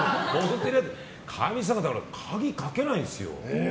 かみさんが鍵かけないんですよ。